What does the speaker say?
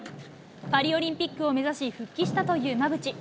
パリオリンピックを目指し、復帰したという馬淵。